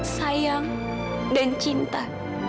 sayang dan cinta